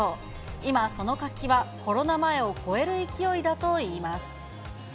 今、その活気はコロナ前を超える勢いだといいます。